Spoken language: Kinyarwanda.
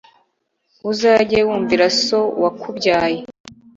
uzajye wumvira so wakubyaye